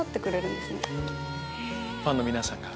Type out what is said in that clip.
ファンの皆さんが。